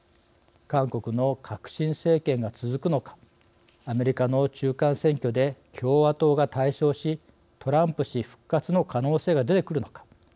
韓国の革新政権が続くのかアメリカの中間選挙で共和党が大勝しトランプ氏復活の可能性が出てくるのか。